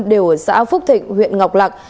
đều ở xã phúc thịnh huyện ngọc lạc